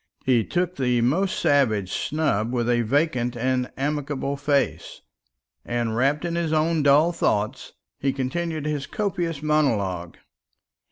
He took the most savage snub with a vacant and amicable face; and, wrapped in his own dull thoughts, he continued his copious monologue.